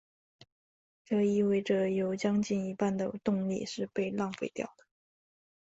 这意味者有将近一半的动力是被浪费掉的。